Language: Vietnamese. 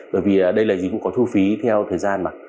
bởi vì đây là dịch vụ có thu phí theo thời gian mà